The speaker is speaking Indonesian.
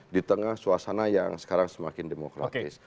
di tengah suasana yang sekarang semakin demokratis